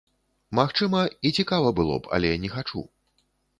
Магчыма, і цікава было б, але не хачу.